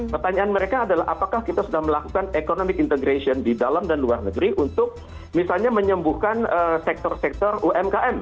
pertanyaan mereka adalah apakah kita sudah melakukan economic integration di dalam dan luar negeri untuk misalnya menyembuhkan sektor sektor umkm